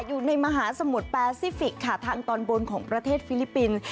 อยู่ในมหาสมุทรแปซิฟิกค่ะทางตอนบนของประเทศฟิลิปปินส์